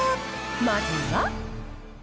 まずは。